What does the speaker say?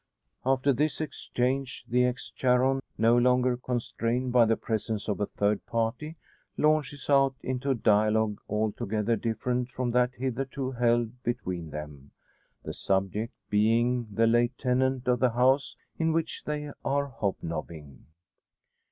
After this exchange the ex Charon, no longer constrained by the presence of a third party, launches out into a dialogue altogether different from that hitherto held between them the subject being the late tenant of the house in which they are hobnobbing.